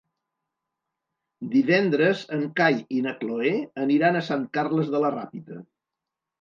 Divendres en Cai i na Cloè aniran a Sant Carles de la Ràpita.